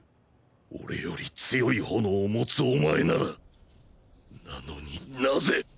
俺より強い炎を持つおまえならなのになぜ